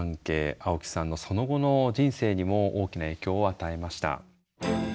青木さんのその後の人生にも大きな影響を与えました。